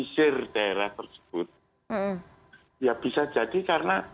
jadi itu bisa jadi karena